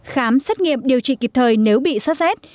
khám xét nghiệm điều trị kịp thời nếu bị so xét